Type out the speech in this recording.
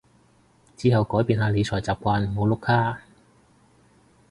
之後改變下理財習慣唔好碌卡